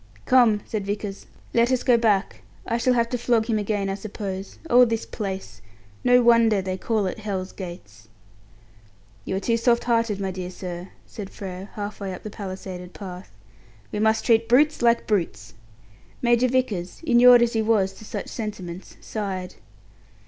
"Come," said Vickers, "Let us go back. I shall have to flog him again, I suppose. Oh, this place! No wonder they call it 'Hell's Gates'." "You are too soft hearted, my dear sir," said Frere, half way up the palisaded path. "We must treat brutes like brutes." Major Vickers, inured as he was to such sentiments, sighed.